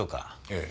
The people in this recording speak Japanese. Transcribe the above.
ええ。